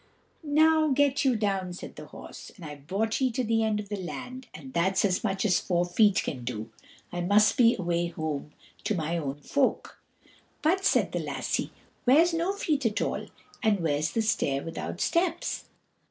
"Now get you down," said the horse; "I've brought ye to the end of the land, and that's as much as Four Feet can do. I must away home to my own folk." "But," said the lassie, "where's No Feet at all, and where's the stair without steps?"